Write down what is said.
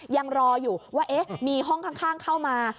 ยังรออยู่ว่ามีห้องข้างเข้ามา